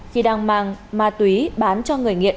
khi đang mang ma túy bán cho người nghiện